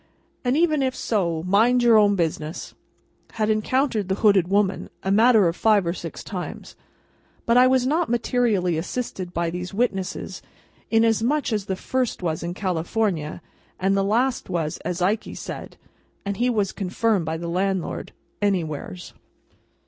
and even if so, mind your own business,'" had encountered the hooded woman, a matter of five or six times. But, I was not materially assisted by these witnesses: inasmuch as the first was in California, and the last was, as Ikey said (and he was confirmed by the landlord), Anywheres.